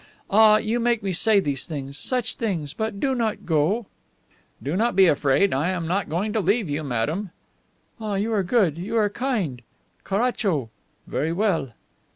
Ah, you make me say these things. Such things! But do not go." "Do not be afraid; I am not going to leave you, madame." "Ah, you are good! You are kind, kind! Caracho! (Very well.)"